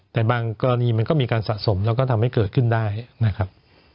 แต่บางกรณีมันก็มีการสะสมแล้วก็ทำให้เกิดขึ้นได้นะครับ